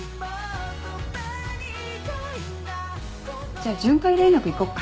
じゃあ巡回連絡行こっか。